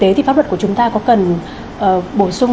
thì pháp luật của chúng ta có cần bổ sung